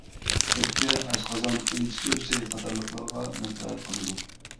ئۆپكە، ئاشقازان، ئىنچىكە ئۈچەي قاتارلىقلارغا مەنپەئەت قىلىدۇ.